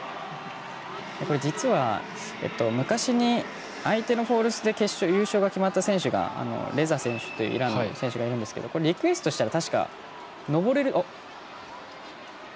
実は、昔に相手のフォルスで優勝が決まった選手がレザ選手というイランの選手がいるんですがリクエストしたら。